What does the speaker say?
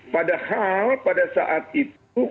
padahal pada saat itu